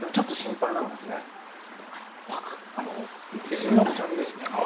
でも、ちょっと心配なのが末延さんですね。